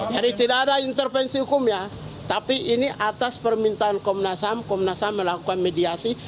jadi tidak ada intervensi hukum ya tapi ini atas permintaan komnas ham komnas ham melakukan mediasi